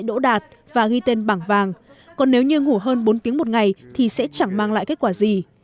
đỗ đạt và ghi tên bảng vàng còn nếu như ngủ hơn bốn tiếng một ngày thì sẽ chẳng mang lại kết quả gì